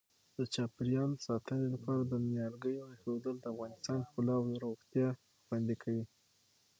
د چاپیریال ساتنې لپاره د نیالګیو اېښودل د افغانستان ښکلا او روغتیا خوندي کوي.